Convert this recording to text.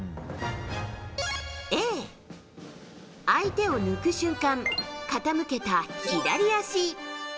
Ａ、相手を抜く瞬間傾けた左足。